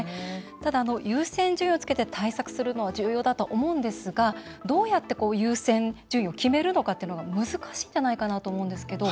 ただ、優先順位をつけて対策するのは重要だと思うんですがどうやって優先順位を決めるのかっていうのが難しいんじゃないかなと思うんですけど。